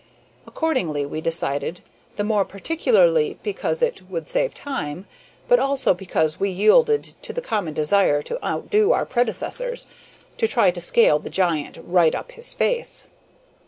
Accordingly we decided the more particularly because it would save time, but also because we yielded to the common desire to outdo our predecessors to try to scale the giant right up his face.